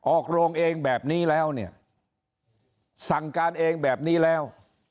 ออกโรงเองแบบนี้แล้วเนี่ยสั่งการเองแบบนี้แล้ว